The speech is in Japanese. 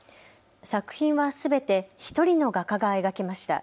作品はすべて１人の画家が描きました。